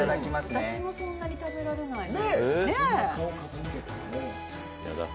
私もそんなに食べられないのに。